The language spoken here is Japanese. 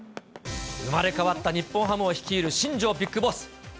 生まれ変わった日本ハムを率いる新庄ビッグボス。